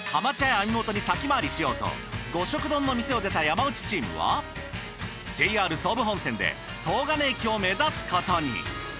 網元に先回りしようと五色丼の店を出た山内チームはＪＲ総武本線で東金駅を目指すことに。